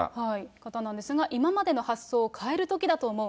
方なんですが、今までの発想を変えるときだと思う。